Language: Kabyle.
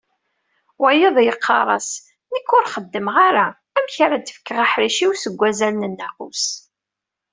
Wayeḍ yeqqar-as, nekk ur xeddmeɣ ara, amek ara d-fkeɣ aḥric-iw seg wazal n nnaqus.